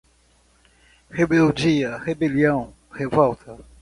Rebeldia, rebelião, revolta